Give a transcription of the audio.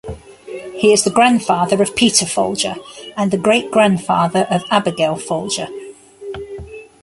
He is the grandfather of Peter Folger, and the great-grandfather of Abigail Folger.